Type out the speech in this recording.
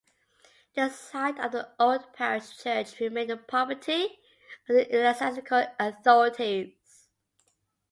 The site of the old parish church remained the property of the ecclesiastical authorities.